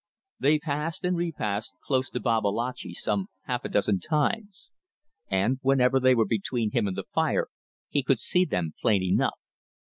They passed and repassed close to Babalatchi some half a dozen times, and, whenever they were between him and the fire, he could see them plain enough.